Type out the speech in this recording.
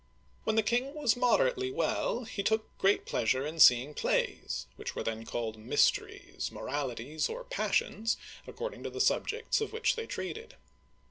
When the king was moderately well, he took great pleasure in seeing plays, which were then called "mys teries," " moralities," or " passions," according to the subjects of which they treated.